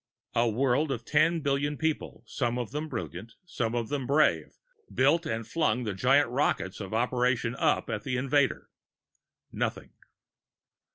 A world of ten billion people, some of them brilliant, many of them brave, built and flung the giant rockets of Operation Up at the invader: Nothing.